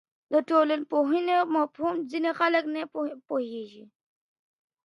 د ټولنپوهنې مفاهیم ځینې خلک نه پوهیږي.